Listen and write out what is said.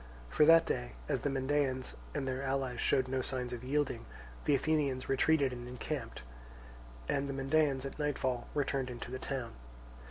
For that day, as the Mendaeans and their allies showed no signs of yielding, the Athenians retreated and encamped, and the Mendaeans at nightfall returned into the town.